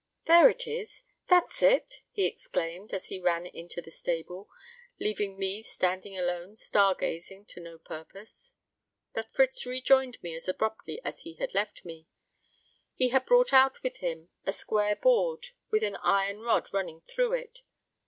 "There it is. That's it," he exclaimed, as he ran into the stable, leaving me standing alone star gazing to no purpose. But Fritz rejoined me as abruptly as he had left me. He had brought out with him a square board with an iron rod running through it.